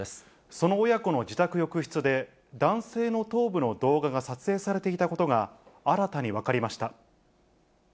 その親子の自宅浴室で、男性の頭部の動画が撮影されていたことが、新たに分かりました。